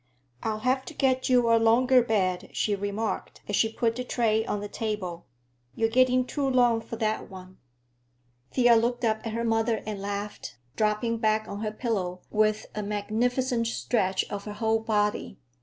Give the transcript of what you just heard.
"I'll have to get you a longer bed," she remarked, as she put the tray on the table. "You're getting too long for that one." Thea looked up at her mother and laughed, dropping back on her pillow with a magnificent stretch of her whole body. Mrs.